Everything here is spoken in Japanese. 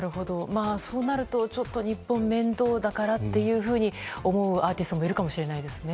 そうなるとちょっと日本面倒だからっていうふうに思うアーティストもいるかもしれないですね。